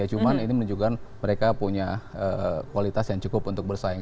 cuma ini menunjukkan mereka punya kualitas yang cukup untuk bersaing